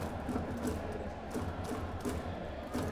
Amangdre.